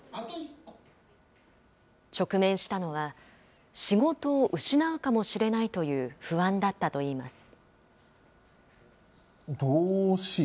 直面したのは、仕事を失うかもしれないという不安だったといいます。